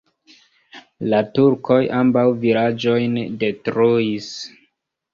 La turkoj ambaŭ vilaĝojn detruis.